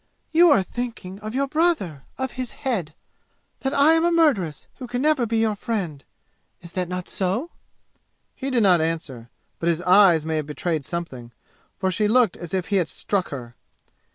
"You are thinking of your brother of his head! That I am a murderess who can never be your friend! Is that not so?" He did not answer, but his eyes may have betrayed something, for she looked as if he had struck her.